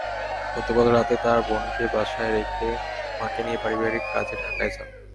গতকাল রাতে তাঁর বোনকে বাসায় রেখে মাকে নিয়ে পারিবারিক কাজে ঢাকায় যান।